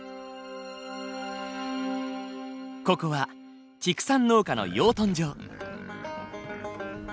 ここは畜産農家の養豚場。